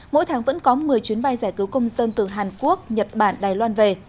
mỗi tháng vẫn có một mươi chuyến bay giải cứu công dân từ hàn quốc nhật bản đài loan về